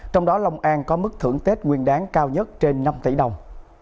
trong đó long an có mức thưởng tết nguyên đáng cao nhất trên năm tỷ đồng